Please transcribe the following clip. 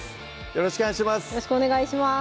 よろしくお願いします